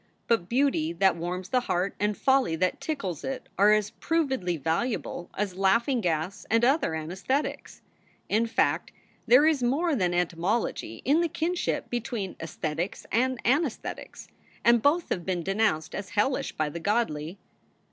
But beauty that warms the heart and folly that tickles it are as provedly valuable as laughing gas and other anaesthetics. In fact, there is more than etymology in the kinship between aesthetics and anaesthetics, and both have been denounced as hellish by the godly.